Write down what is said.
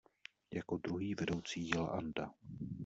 Jako druhý vedoucí jela Anda.